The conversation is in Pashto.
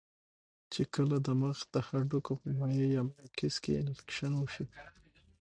چې کله د مخ د هډوکو پۀ مائع يا ميوکس کې انفکشن اوشي